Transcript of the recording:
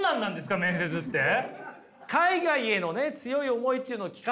面接って？